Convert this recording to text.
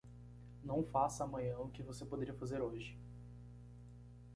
Não faça amanhã o que você poderia fazer hoje.